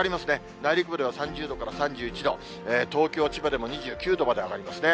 内陸部では３０度から３１度、東京、千葉でも２９度まで上がりますね。